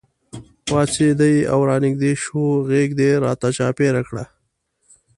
پاڅېدې او رانږدې شوې غېږ دې راته چاپېره کړه.